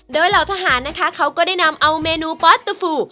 โดยเหล่าทหารนะคะเขาก็ได้นำเอาเมนูปอสเตอร์ฟู